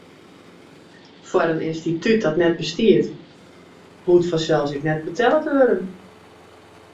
Foar in ynstitút dat net bestiet, hoecht fansels ek net betelle te wurden.